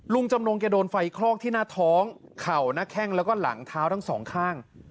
ลุงจำนงแกโดนไฟคลอกที่หน้าท้องเข่าหน้าแข้งแล้วก็หลังเท้าทั้งสองข้าง